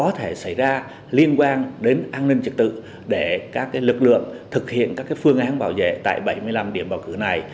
có thể xảy ra liên quan đến an ninh trật tự để các lực lượng thực hiện các phương án bảo vệ tại bảy mươi năm điểm bầu cử này